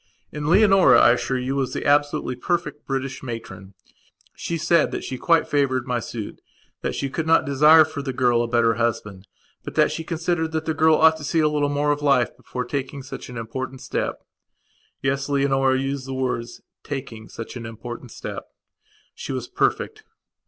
And Leonora, I assure you, was the absolutely perfect British matron. She said that she quite favoured my suit; that she could not desire for the girl a better husband; but that she considered that the girl ought to see a little more of life before taking such an important step. Yes, Leonora used the words "taking such an important step". She was perfect.